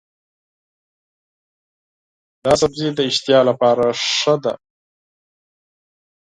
دا سبزی د اشتها لپاره ښه دی.